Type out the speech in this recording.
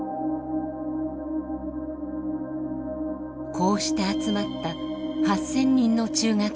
こうして集まった８，０００人の中学生。